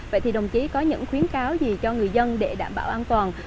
vậy thì đồng chí có những khuyến cáo gì cho người dân để đảm bảo an toàn